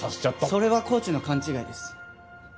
それはコーチの勘違いです。